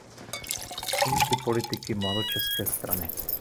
Patřil mezi politiky mladočeské strany.